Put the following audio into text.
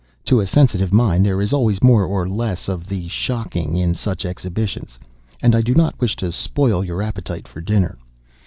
To a sensitive mind there is always more or less of the shocking in such exhibitions; and I do not wish to spoil your appetite for dinner.